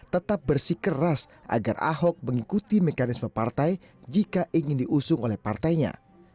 tetap bersih keras agar ahok mengikuti mekanisme partai jika ingin diusung oleh partainya